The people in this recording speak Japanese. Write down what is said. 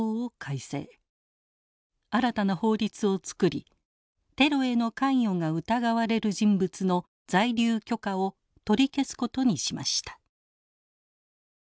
新たな法律を作りテロへの関与が疑われる人物の在留許可を取り消すことにしました。